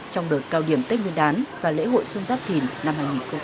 trong đợt cao điểm tết nguyên đán và lễ hội xuân giáp thìn năm hai nghìn hai mươi bốn